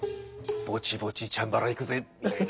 ぼちぼちチャンバラ行くぜみたいな。